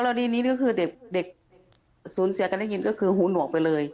ดีนี้ก็คือเด็กสูญเสียกันได้ยินก็คือหูหนวกไปเลย